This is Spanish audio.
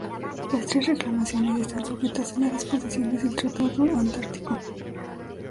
Las tres reclamaciones están sujetas a las disposiciones del Tratado Antártico.